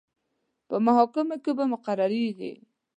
په محاکمو کې به مقرریږي.